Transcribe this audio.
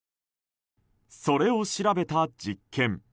それを調べた実験。